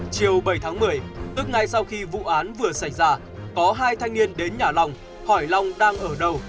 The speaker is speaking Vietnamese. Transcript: chiều bảy tháng một mươi tức ngay sau khi vụ án vừa sạch ra có hai thanh niên đến nhà lòng hỏi lòng đang ở đâu